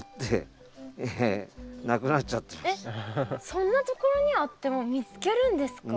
そんなところにあっても見つけるんですか？